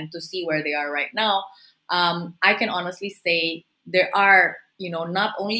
dan untuk melihat kemana mereka sekarang